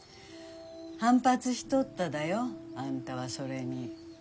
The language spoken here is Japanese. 反発しとっただよあんたはそれに。